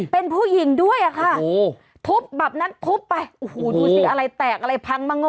เป็นผู้หญิงด้วยอะค่ะทุบแบบนั้นทุบไปโอ้โหดูสิอะไรแตกอะไรพังมาโง่